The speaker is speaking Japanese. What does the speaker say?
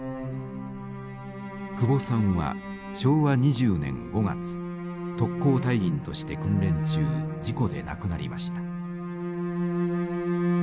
久保さんは昭和２０年５月特攻隊員として訓練中事故で亡くなりました。